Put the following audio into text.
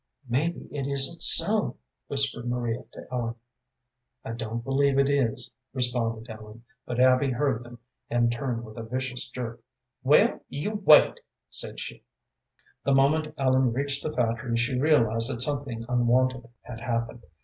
"Maybe it isn't so," whispered Maria to Ellen. "I don't believe it is," responded Ellen, but Abby heard them, and turned with a vicious jerk. "Well, you wait!" said she. The moment Ellen reached the factory she realized that something unwonted had happened.